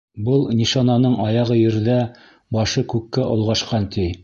Был нишананың аяғы ерҙә, башы күккә олғашҡан, ти.